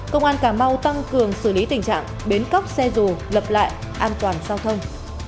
công an cà mau tăng cường xử lý tình trạng bến cóc xe rù lập lại an toàn giao thông